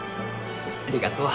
ありがとう。